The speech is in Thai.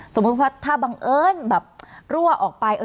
สมมุติว่าถ้าบังเอิญแบบรั่วออกไป